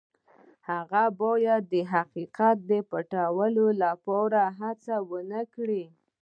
هغه باید د حقیقت د پټولو هڅه ونه کړي.